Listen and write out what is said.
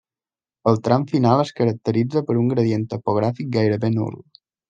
El tram final es caracteritza per un gradient topogràfic gairebé nul.